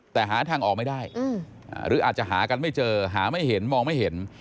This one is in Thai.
แต่หาทางออกไม่ได้หรืออาจจะหากันไม่เจอหาไม่เห็นมองไม่เห็น